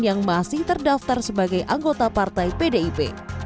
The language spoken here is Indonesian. yang masih terdaftar sebagai anggota partai pdip